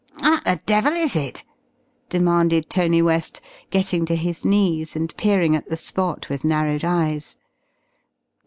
"What the devil is it?" demanded Tony West, getting to his knees and peering at the spot with narrowed eyes.